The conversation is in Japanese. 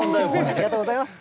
ありがとうございます。